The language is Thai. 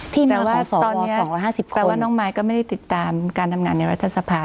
ที่เนื้อของสว๒๕๐คนแปลว่าน้องมายก็ไม่ได้ติดตามการทำงานในราชสภา